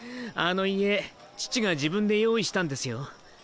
あの遺影父が自分で用意したんですよ。